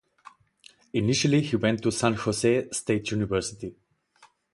Initially he went to San Jose State University.